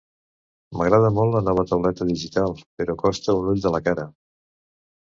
M'agrada molt la nova tauleta digital, però costa un ull de la cara.